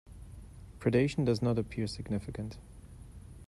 Predation does not appear significant.